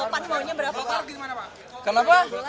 bukalkar minta lima kursi pak